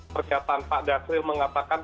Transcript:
pernyataan pak dasril mengatakan